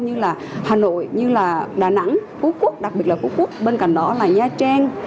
như là hà nội như là đà nẵng phú quốc đặc biệt là phú quốc bên cạnh đó là nha trang